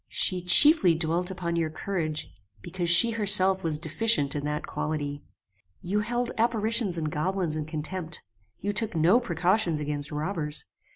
She chiefly dwelt upon your courage, because she herself was deficient in that quality. You held apparitions and goblins in contempt. You took no precautions against robbers.